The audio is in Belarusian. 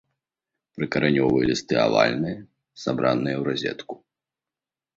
Прыкаранёвыя лісты авальныя, сабраныя ў разетку.